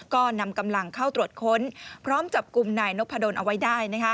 ก็นำกำลังเข้าตรวจค้นพร้อมจับกลุ่มนายนพดลเอาไว้ได้